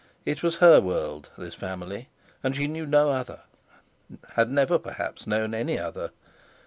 It was her world, this family, and she knew no other, had never perhaps known any other.